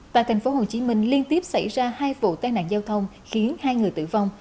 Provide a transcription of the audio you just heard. tại tp hcm liên tiếp xảy ra hai vụ tai nạn giao thông khiến hai người tử vong